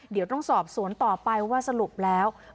เดี๋ยวต้องสอบสวนต่อไปว่าสรุปแล้ว